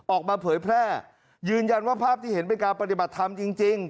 เผยแพร่ยืนยันว่าภาพที่เห็นเป็นการปฏิบัติธรรมจริง